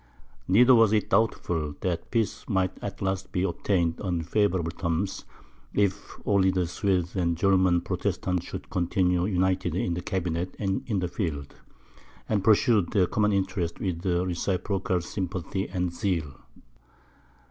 Neither was it doubtful, that peace might at last be obtained on favourable terms, if only the Swedes and the German Protestants should continue united in the cabinet and in the field, and pursued their common interests with a reciprocal sympathy and zeal.